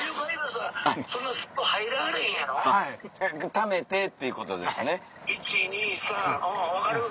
ためてっていうことですね。